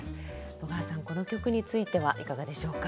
野川さんこの曲についてはいかがでしょうか？